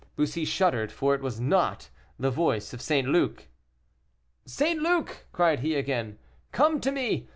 Bussy shuddered, for it was not the voice of St. Luc. "St. Luc!" cried he again, "come to me!